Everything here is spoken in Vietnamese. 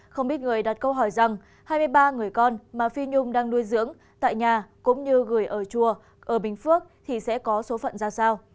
không ít người đặt câu hỏi rằng hai mươi ba người con mà phi nhung đang nuôi dưỡng tại nhà cũng như gửi ở chùa ở bình phước thì sẽ có số phận ra sao